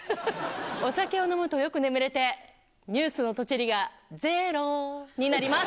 お酒を飲むとよく眠れて、ニュースのとちりがゼローになります。